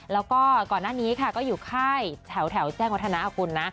แล้วก็ก่อนหน้านี้ค่ะก็อยู่ค่ายแถวแจ้งวัฒนะคุณนะ